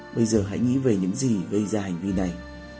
bây giờ hãy nghĩ về những gì gây ra hành vi này